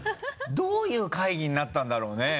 どういう会議になったんだろうね？